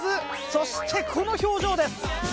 そしてこの表情です。